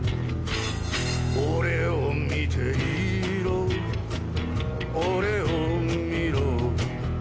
「俺を見ていろ」「俺を見ろ」